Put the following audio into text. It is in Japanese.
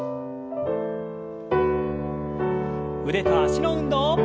腕と脚の運動。